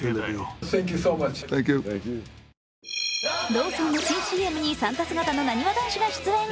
ローソンの新ＣＭにサンタ姿のなにわ男子が出演。